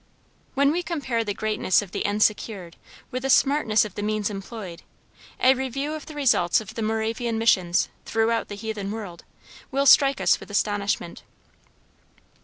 When we compare the greatness of the ends secured, with the smartness of the means employed, a review of the results of the Moravian Missions, throughout the heathen world, will strike us with astonishment.